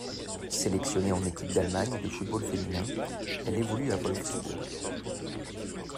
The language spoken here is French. Sélectionnée en équipe d'Allemagne de football féminin, elle évolue à Wolfsbourg.